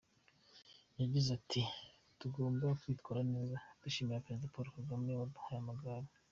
Yagize ati “…tugomba kwitwara neza, dushimira Perezida Paul Kagame waduhaye amagare.